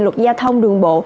luật gia thông đường bộ